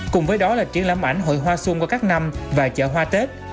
cùng với đó là triển lãm ảnh hội hoa xuân qua các năm và chợ hoa tết